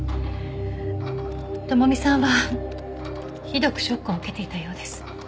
朋美さんはひどくショックを受けていたようです。